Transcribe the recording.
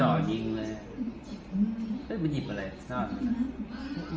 มันหยิบมือพื้นซ่อนแล้ว